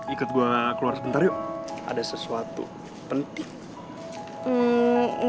ikut gue keluar sebentar yuk ada sesuatu penting